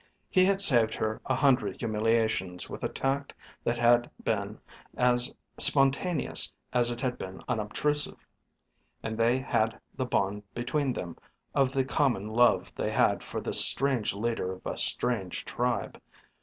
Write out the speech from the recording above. He had saved her a hundred humiliations with a tact that had been as spontaneous as it had been unobtrusive. And they had the bond between them of the common love they had for this strange leader of a strange tribe.